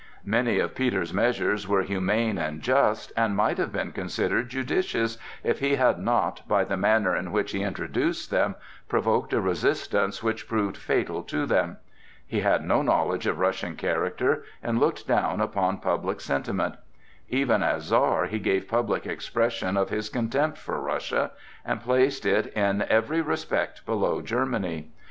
Many of Peter's measures were humane and just, and might have been considered judicious if he had not, by the manner in which he introduced them, provoked a resistance which proved fatal to them. He had no knowledge of Russian character, and looked down upon public sentiment. Even as Czar he gave public expression of his contempt for Russia, and placed it in every respect below Germany.